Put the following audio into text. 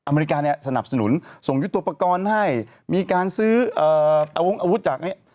อเมริกาเนี่ยสนับสนุนส่งยุทธโปรกรณ์ให้มีการซื้ออาวงอาวุธจากนี้